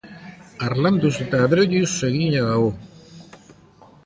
Harlanduz eta adreiluz egina dago.